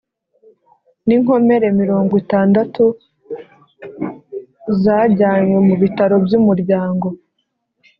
n'inkomere mirogwitadatu zajyanywe mu bitaro by'umuryango